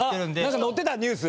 なんか載ってたニュース！